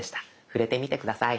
触れてみて下さい。